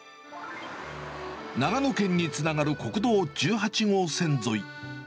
長野県につながる国道１８号線沿い。